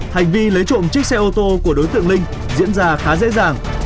hành vi lấy trộm chiếc xe ô tô của đối tượng linh diễn ra khá dễ dàng